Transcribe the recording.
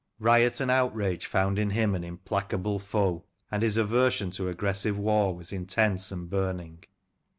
Riot and outrage found in him an implacable foe, and his aversion to aggressive war was intense and burning.